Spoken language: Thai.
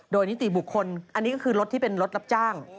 โดยนิติบุคคลอันนี้ก็คือรถที่เป็นรถรับจ้าง